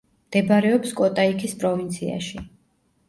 მდებარეობს კოტაიქის პროვინციაში.